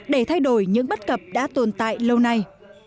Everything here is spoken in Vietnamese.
để thay đổi những bất cập đã tồn tại lâu nay